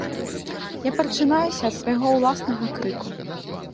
Я прачынаюся ад свайго ўласнага крыку.